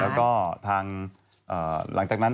แล้วก็ทางหลังจากนั้น